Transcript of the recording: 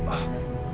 kamu tuh pasti takut